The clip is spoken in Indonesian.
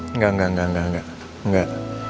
enggak enggak enggak